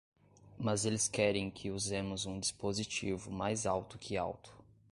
Mas eles querem que usemos um dispositivo mais alto que alto.